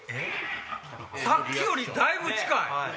さっきよりだいぶ近い！